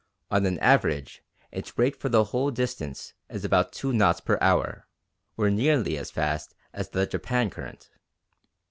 On an average its rate for the whole distance is about two knots per hour, or nearly as fast as the Japan Current.